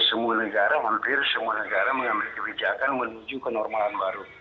semua negara hampir semua negara mengambil kebijakan menuju kenormalan baru